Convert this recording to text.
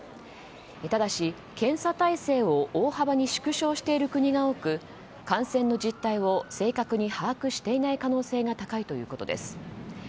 ただし検査態勢を大幅に縮小している国が多く感染の実態を正確に把握していない可能性が高いということです。